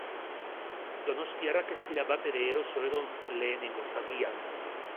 Donostiarrak ez dira batere eroso egon lehenengo zatian.